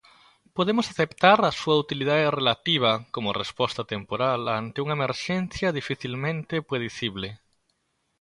Podemos aceptar a súa utilidade relativa como resposta temporal ante unha emerxencia dificilmente predicible.